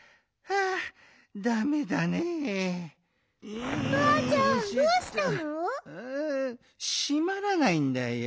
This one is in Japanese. ああしまらないんだよ。